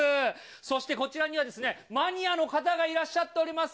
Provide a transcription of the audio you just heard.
そしてこちらにはマニアの方がいらっしゃっております。